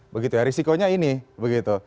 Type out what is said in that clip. begitu ya risikonya ini begitu